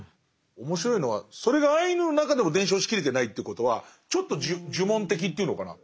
面白いのはそれがアイヌの中でも伝承しきれてないということはちょっと呪文的というのかな。